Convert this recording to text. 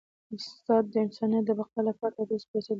استاد د انسانیت د بقا لپاره تر ټولو سپيڅلي دنده ترسره کوي.